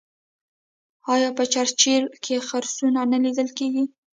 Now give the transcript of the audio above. آیا په چرچیل کې خرسونه نه لیدل کیږي؟